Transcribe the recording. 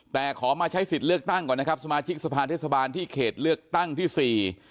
แต่ขอมาใช้สิทธิ์เลือกตั้งก่อนนะครับสมาชิกสภาเทศบาลที่เขตเลือกตั้งที่สี่